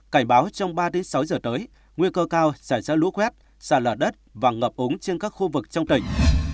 cảnh báo trong ba đến sáu giờ tới nguy cơ cao sẽ ra lũ khuét xa lở đất và ngập ống trên các khu vực trong tỉnh